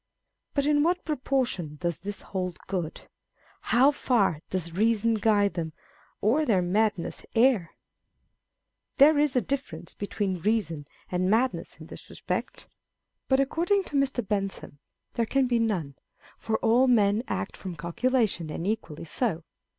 But in what proportion does this hold good ? How far does reason guide them, or their madness err ? There is a difference between' reason and madness in this respect ; 352 On People of Sense. but according to Mr. Bentham, there can be none ; for all men act from calculation, and equally so.